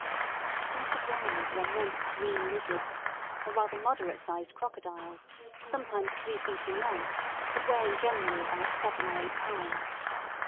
These iguanas are immense green lizards, or rather moderate sized crocodiles, sometimes three feet in length, but weighing generally about seven or eight pounds.